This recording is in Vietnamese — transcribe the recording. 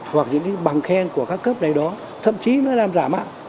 hoặc những cái bằng khen của các cấp này đó thậm chí nó làm giả mạng